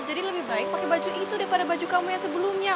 jadi lebih baik pakai baju itu daripada baju kamu yang sebelumnya